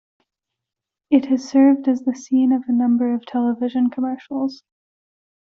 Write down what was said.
It has served as the scene of a number of television commercials.